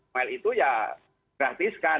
noel itu ya gratis kan